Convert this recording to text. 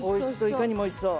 いかにもおいしそう。